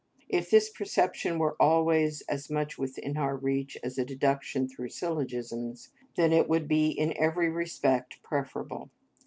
If this perception were always as much within our reach as a deduction through syllogisms, then it would be in every respect preferable.